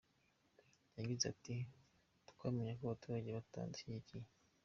Yagize ati” Twamenye ko abaturage batadushyigikiye.